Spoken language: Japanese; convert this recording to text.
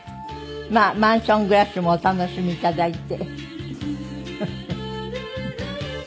まあマンション暮らしもお楽しみ頂いて。